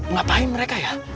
ngapain mereka ya